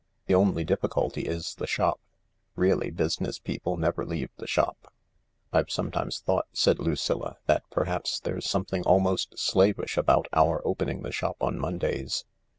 The only difficulty is the shop. Really business people never leave the shop." "I've sometimes thought," said Lucilla, "that perhaps there's something almost slavish about our opening the shop on Mondays.